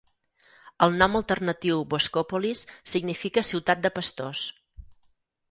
El nom alternatiu "Voskopolis" significa "Ciutat de pastors".